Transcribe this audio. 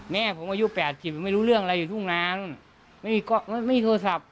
แม่ผมอายุ๘๐ไม่รู้เรื่องอะไรอยู่ทุกงานไม่มีโทรศัพท์